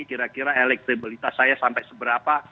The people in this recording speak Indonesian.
kira kira elektabilitas saya sampai seberapa